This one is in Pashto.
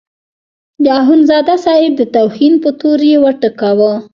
د اخندزاده صاحب د توهین په تور یې وټکاوه.